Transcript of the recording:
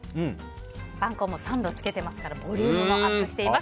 パン粉も３度つけていますからボリュームもアップしています。